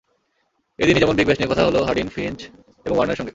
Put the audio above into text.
এদিনই যেমন Big Bash নিয়ে কথা হলো হাডিন, ফ্রিঞ্চ এবং ওয়ার্নারের সঙ্গে।